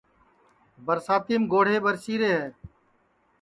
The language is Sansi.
برساتِیم گوڑھے ٻرسی رے ہے